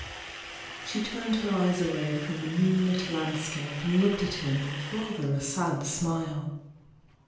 She turned her eyes away from the moonlit land scape and looked at him with rather a sad smile.